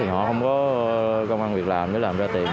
họ không có công an việc làm để làm ra tiền